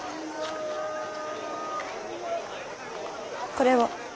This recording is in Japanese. これを。